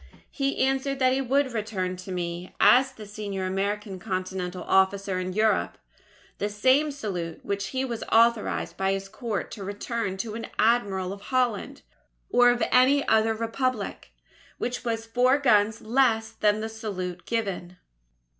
"He answered that he would return to me, as the senior American Continental officer in Europe, the [Illustration: PAUL JONES HOISTING THE STARS AND STRIPES] same salute which he was authorized by his Court to return to an Admiral of Holland, or of any other Republic; which was four guns less than the salute given.